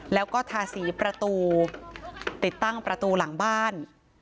แล้วก็ทาสีประตูติดตั้งประตูหลังบ้าน